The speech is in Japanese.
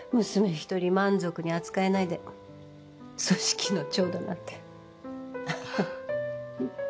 一人満足に扱えないで組織の長だなんて。